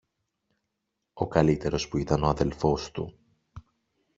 Ο καλύτερος, που ήταν ο αδελφός του